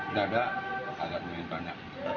di dada agak banyak